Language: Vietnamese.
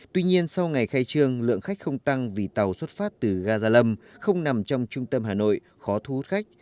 tuy nhiên sau ngày khai trương lượng khách không tăng vì tàu xuất phát từ ga gia lâm không nằm trong trung tâm hà nội khó thu hút khách